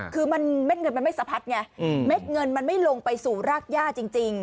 คือเม็ดเงินมันไม่สะพัดไงเม็ดเงินมันไม่ลงไปสู่รากย่าจริง